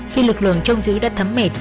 khi lực lượng trông giữ đã thấm mệt